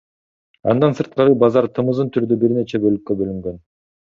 Андан сырткары базар тымызын түрдө бир нече бөлүккө бөлүнгөн.